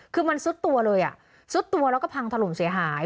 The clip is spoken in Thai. คือมันซุดตัวเลยอ่ะซุดตัวแล้วก็พังถล่มเสียหาย